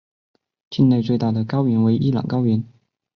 境内最大的高原为伊朗高原。